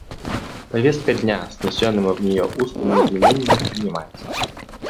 Повестка дня с внесенными в нее устными изменениями принимается.